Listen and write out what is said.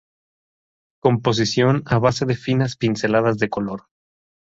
Composición a base de finas pinceladas de color.